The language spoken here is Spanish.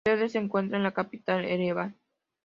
Su sede se encuentra en la capital, Ereván.